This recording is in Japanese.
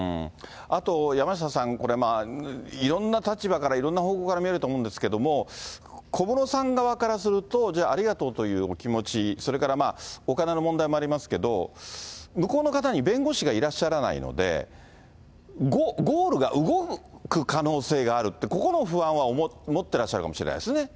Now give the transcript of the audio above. あと、山下さん、いろんな立場からいろんな方向から見れると思うんですけども、小室さん側からすると、ありがとうというお気持ち、それからお金の問題もありますけど、向こうの方に弁護士がいらっしゃらないので、ゴールが動く可能性があるって、ここの不安は持ってらっしゃるかもしれないですね。